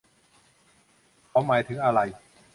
เขาหมายถึงอะไร